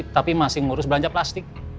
tapi masih ngurus belanja plastik